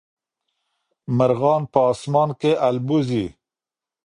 مرغان په اسمان کي البوځي.